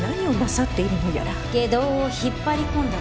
外道を引っ張り込んだということか。